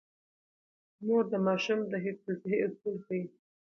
مور د ماشوم د حفظ الصحې اصول ښيي.